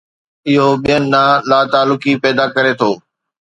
اهو ٻين ڏانهن لاتعلقي پيدا ڪري ٿو.